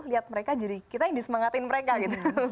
lihat mereka jadi kita yang disemangatin mereka gitu